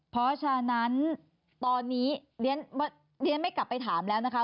เพราะฉะนั้นตอนนี้เรียนไม่กลับไปถามแล้วนะคะ